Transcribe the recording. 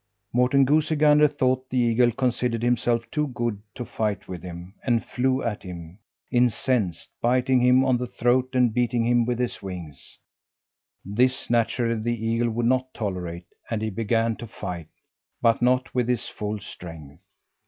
Morten Goosey Gander thought the eagle considered himself too good to fight with him and flew at him, incensed, biting him on the throat and beating him with his wings. This, naturally, the eagle would not tolerate and he began to fight, but not with his full strength.